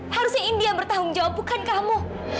harusnya india yang bertanggung jawab bukan kamu